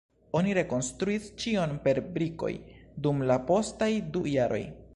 Oni rekonstruis ĉion per brikoj dum la postaj du jaroj.